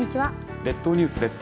列島ニュースです。